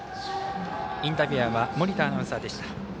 インタビュアーは森田アナウンサーでした。